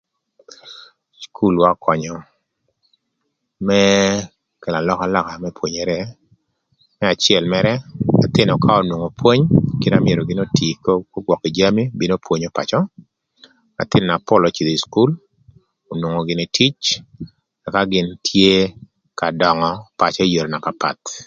Cukulwa ökönyö më kelo alökalöka më pwonyere më acël mërë ëthïnö ka onwongo pwony kit na myero gïn otii ögwök kï jami bino pwonyo pacö, ëthïnö na pol öcïdhö ï cukul onwongo gïnï tic ëka gïn tye ka döngö pacö ï yodhi na papath